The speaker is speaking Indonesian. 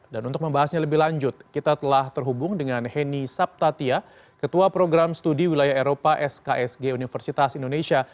dan untuk membahasnya lebih lanjut kita telah terhubung dengan henny saptatya ketua program studi wilayah eropa sksg universitas indonesia